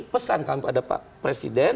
pesankan kepada pak presiden